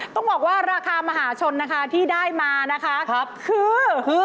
ต้องบอกว่าราคามหาชนที่ได้มาคือ